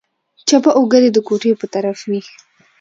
چپه اوږه دې د کوټې په طرف وي.